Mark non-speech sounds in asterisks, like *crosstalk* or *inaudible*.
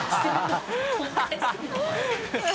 ハハハ *laughs*